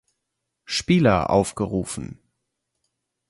Spieler aufgerufen.